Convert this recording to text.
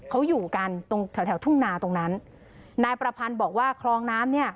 เขาอยู่กันตรงแถวแถวทุ่งนาตรงนั้นนายประพันธ์บอกว่าคลองน้ำเนี่ย